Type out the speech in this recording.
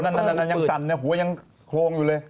นั่นยังสั่นเนี่ยหัวยังโครงอยู่เลย